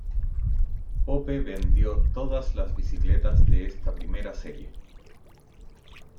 Pope vendió todas las bicicletas de esta primera serie.